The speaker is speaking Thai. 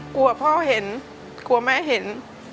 กลัวพ่อเห็นกลัวแม่เห็น